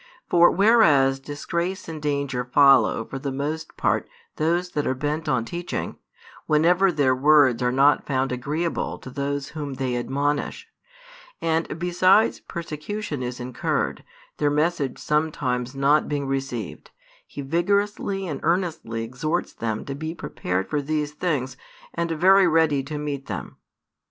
For whereas disgrace and danger follow for the most part those that are bent on teaching, whenever their words are not found agreeable to those whom they admonish, and besides persecution is incurred, their message sometimes not being received, He vigorously and earnestly exhorts them to be prepared for these things and very ready to meet them.